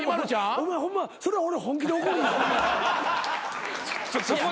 お前ホンマそれ俺本気で怒るよ。